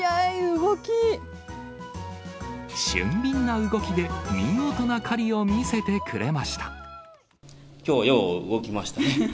俊敏な動きで、見事な狩りをきょう、よう動きました。